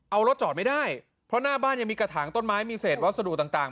เอารถจอดไม่ได้เพราะหน้าบ้านยังมีกระถางต้นไม้มีเศษวัสดุต่าง